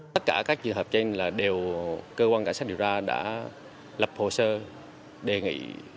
tất cả các trường hợp trên là đều cơ quan cảnh sát điều tra đã lập hồ sơ đề nghị